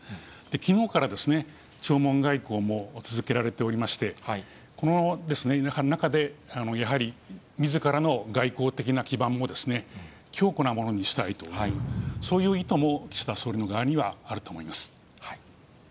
きのうから弔問外交も続けられておりまして、この中でやはり、みずからの外交的な基盤も強固なものにしたいという、そういう意図も岸田総理の側にはあると思います。